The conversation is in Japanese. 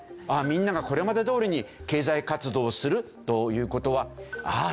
あっみんながこれまでどおりに経済活動をするという事はあ